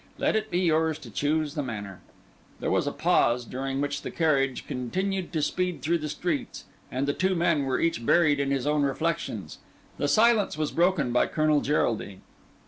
Let it be yours to choose the manner." There was a pause, during which the carriage continued to speed through the streets, and the two men were each buried in his own reflections. The silence was broken by Colonel Geraldine.